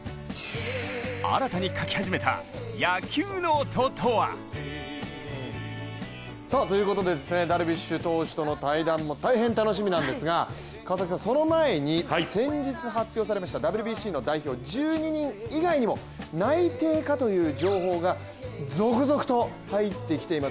新たに書き始めた野球ノートとは？ということで、ダルビッシュ投手との対談も大変楽しみなんですが、その前に、先日発表されましたＷＢＣの代表１２人以外にも内定かという情報が続々と入ってきています。